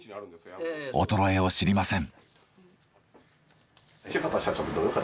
衰えを知りません。